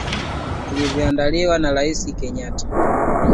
iliyoandaliwa na Raisi Kenyatta